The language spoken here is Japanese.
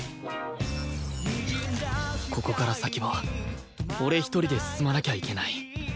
ここから先は俺一人で進まなきゃいけない